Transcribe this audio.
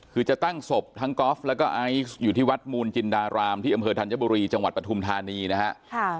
คือจะตั้งศพทั้งกอล์ฟแล้วก็ไอซ์อยู่ที่วัดมูลจินดารามที่อำเภอธัญบุรีจังหวัดปฐุมธานีนะฮะ